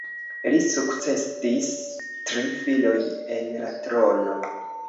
Li sukcedis tri filoj en la trono.